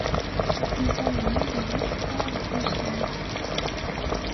Anẓar-nni iwet kraḍ n wussan.